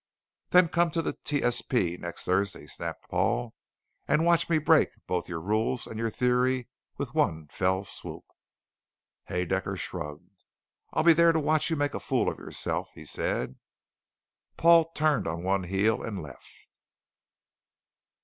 "Then come to the T.S.P. next Tuesday," snapped Paul, "and watch me break both your rules and your theory with one fell swoop!" Haedaecker shrugged. "I'll be there to watch you make a fool of yourself," he said. Paul turned on one heel and left.